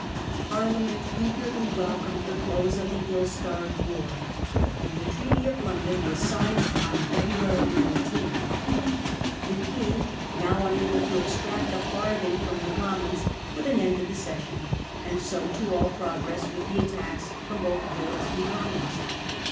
Parliament eagerly welcomed the close of the ill starred war, and the Treaty of London (see p. 219) Failure of was signed on February 19. The King now, Charles to unable to extract a farthing from the Commons, fronTpariia P ut an end to the session, and so to all progress ment. w ith the attacks from both Lords and Com mons.